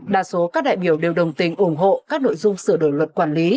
đa số các đại biểu đều đồng tình ủng hộ các nội dung sửa đổi luật quản lý